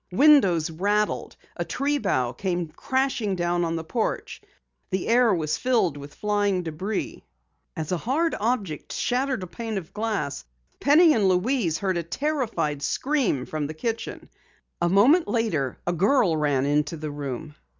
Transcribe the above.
Windows rattled, a tree bough came crashing down on the porch, the air was filled with flying debris. As a hard object shattered a pane of glass, Penny and Louise heard a terrified scream from the kitchen. A moment later a girl ran into the room.